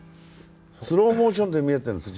スローモーションで見えてるんですよ